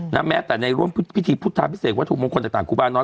แม้แต่ในร่วมพิธีพุทธาพิเศษวัตถุมงคลต่างครูบาน้อย